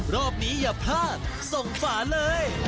รอบนี้อย่าพลาดส่งฝาเลย